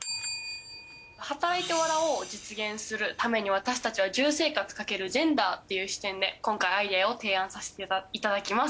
はたらいて、笑おうを実現するために私たちは住生活×ジェンダーっていう視点で今回アイデアを提案させていただきます。